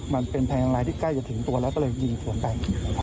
มันเป็นแพงลายที่ใกล้จะถึงตัวแล้วก็เลยยิงสวนไป